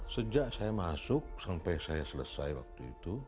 sejak saya masuk sampai saya selesai waktu itu